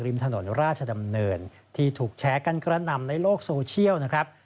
ริมถนนราชดำเนินที่ถูกแชร์กันกระหน่ำในโลกโซเชียลนะครับ